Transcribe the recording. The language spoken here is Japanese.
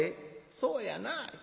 『そうやな』。